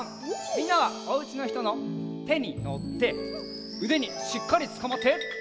みんなはおうちのひとのてにのってうでにしっかりつかまって。